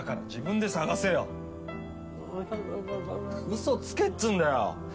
嘘つけっつうんだよ。